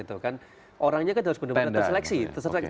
orangnya kan harus benar benar terseleksi terseleksi